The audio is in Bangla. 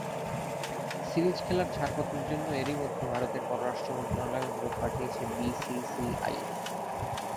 সিরিজ খেলার ছাড়পত্রের জন্য এরই মধ্যে ভারতের পররাষ্ট্র মন্ত্রণালয়ে অনুরোধ পাঠিয়েছে বিসিসিআই।